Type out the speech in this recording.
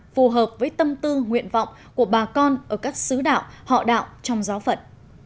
phù hợp với tâm tư nguyện vọng của bà con ở các xứ đạo họ đạo trong giáo phận